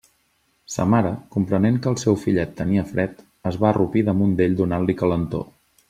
Sa mare, comprenent que el seu fillet tenia fred, es va arrupir damunt d'ell donant-li calentor.